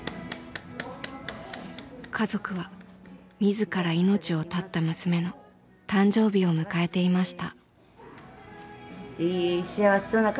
家族は自ら命を絶った娘の誕生日を迎えていました。